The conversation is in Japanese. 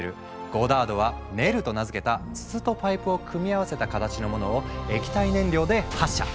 ゴダードは「ネル」と名付けた筒とパイプを組み合わせた形のものを液体燃料で発射。